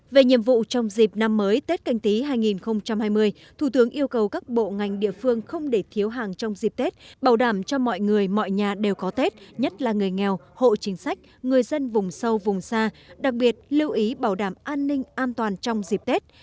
về nhiệm vụ trong dịp năm mới tết canh tí hai nghìn hai mươi thủ tướng yêu cầu các bộ ngành địa phương không để thiếu hàng trong dịp tết bảo đảm cho mọi người mọi nhà đều có tết nhất là người nghèo hộ chính sách người dân vùng sâu vùng xa đặc biệt lưu ý bảo đảm an ninh an toàn trong dịp tết